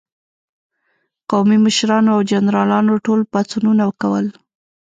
قومي مشرانو او جنرالانو ټول پاڅونونه کول.